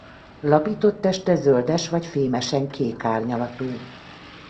Lapított teste zöldes vagy fémesen kék árnyalatú.